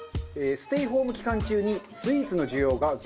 ステイホーム期間中にスイーツの需要が激増。